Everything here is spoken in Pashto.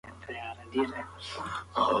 د وينې فشار وڅاره